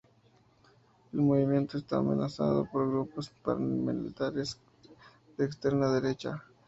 El movimiento está amenazado por grupos paramilitares de extrema derecha.